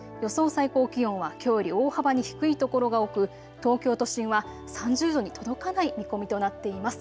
最高気温はきょうより大幅に低いところが多く東京都心は３０度に届かない見込みとなっています。